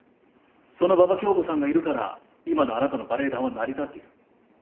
その馬場恭子さんがいるから今のあなたのバレエ団は成り立っている。